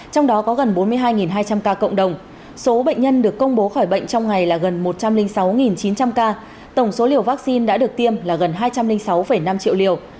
trong đó có gần bốn mươi hai hai trăm linh ca cộng đồng số bệnh nhân được công bố khỏi bệnh trong ngày là gần một trăm linh sáu chín trăm linh ca tổng số liều vaccine đã được tiêm là gần hai trăm linh sáu năm triệu liều